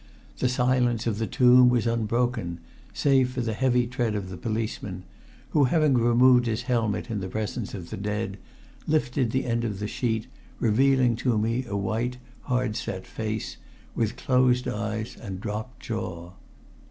The silence of the tomb was unbroken, save for the heavy tread of the policeman, who having removed his helmet in the presence of the dead, lifted the end of the sheet, revealing to me a white, hard set face, with closed eyes and dropped jaw.